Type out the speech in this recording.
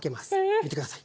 見てください